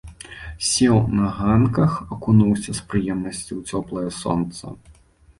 Сеў на ганках, акунуўся з прыемнасцю ў цёплае сонца.